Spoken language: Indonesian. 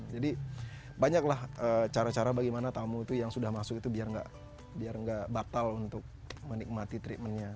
jadi banyaklah cara cara bagaimana tamu itu yang sudah masuk itu biar gak batal untuk menikmati treatmentnya